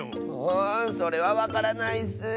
んそれはわからないッス。